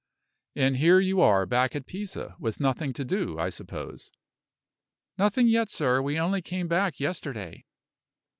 "And here you are, back at Pisa with nothing to do, I suppose?" "Nothing yet, sir. We only came back yesterday."